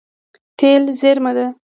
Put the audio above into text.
تېل زیرمه ده.